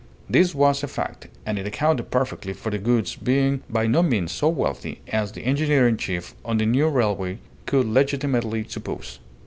This was a fact, and it accounted perfectly for the Goulds being by no means so wealthy as the engineer in chief on the new railway could legitimately suppose.